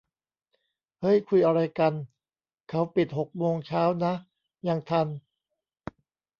เฮ้ย คุยอะไรกัน ! เขาปิดหกโมงเช้านะ ยังทัน